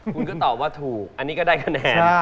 คุณก็ตอบว่าถูกอันนี้ก็ได้คะแนน